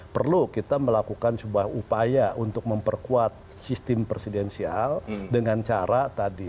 perlu kita melakukan sebuah upaya untuk memperkuat sistem presidensial dengan cara tadi